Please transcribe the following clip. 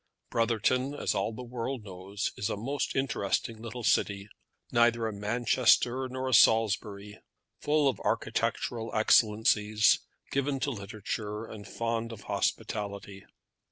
Brotherton, as all the world knows, is a most interesting little city, neither a Manchester nor a Salisbury; full of architectural excellencies, given to literature, and fond of hospitality.